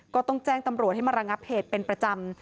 ก็ต้องแจ้งตำรวจให้มาระงับเหตุเป็นประจำ